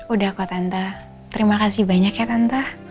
udah kok tante terima kasih banyak ya tante